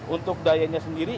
untuk dayanya sendiri